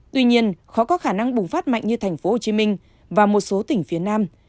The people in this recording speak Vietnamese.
tuy nhiên khó có khả năng bùng phát mạnh như tp hcm và một số tỉnh phía nam